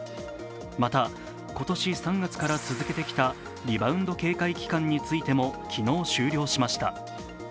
また、今年３月から続けてきたリバウンド警戒期間についても昨日、終了しました。